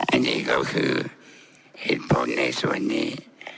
อันนี้ก็คือเหตุผลในส่วนนี้